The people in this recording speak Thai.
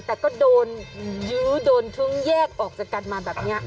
แต่ก็โดนยื้อโดนทึ้งแยกออกจากกันมาแบบนี้